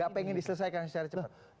tidak ingin diselesaikan secara cepat